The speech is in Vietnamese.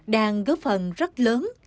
đang góp phần rất lớn